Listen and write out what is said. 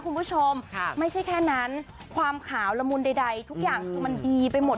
คุณผู้ชมค่ะไม่ใช่แค่นั้นความขาวละมุนใดทุกอย่างคือมันดีไปหมด